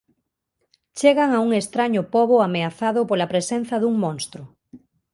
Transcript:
Chegan a un estraño pobo ameazado pola presenza dun monstro.